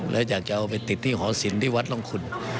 แล้วอยากจะเอาไปติดที่หอศิลปที่วัดร่องคุณ